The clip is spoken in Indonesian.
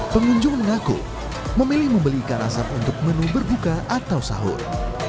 pengunjung mengaku memilih membeli ikan asap untuk menu berbuka atau sahur